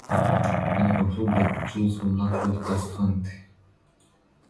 Many conclude that Jules will not live past twenty.